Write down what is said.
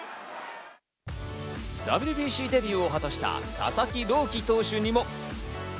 ＷＢＣデビューを果たした佐々木朗希投手にも。